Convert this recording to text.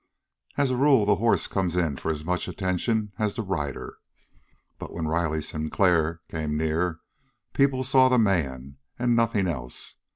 As a rule the horse comes in for as much attention as the rider, but when Riley Sinclair came near, people saw the man and nothing else.